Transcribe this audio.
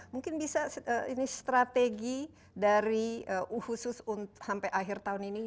mungkin bisa ini strategi dari khusus sampai akhir tahun ini